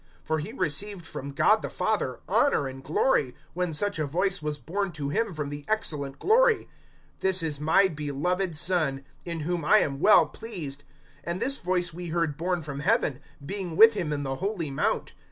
(17)For he received from God the Father honor and glory, when such a voice was borne to him from the excellent glory: This is my beloved Son, in whom I am well pleased; (18)and this voice we heard borne from heaven, being with him in the holy mount.